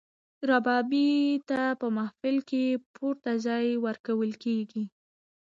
ربابي ته په محفل کې پورته ځای ورکول کیږي.